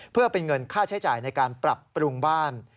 เพื่อเป็นเงินค่าใช้จ่ายในการปรับปรุงบ้าน